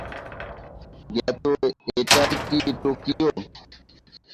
গেতো, এটাই কি টোকিয়ো?